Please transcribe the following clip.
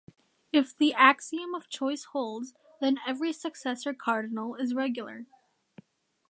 If the axiom of choice holds, then every successor cardinal is regular.